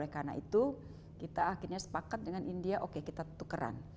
karena itu kita akhirnya sepakat dengan india oke kita tukeran